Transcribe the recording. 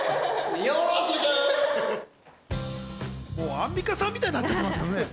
アンミカさんみたいになっちゃってますけどね。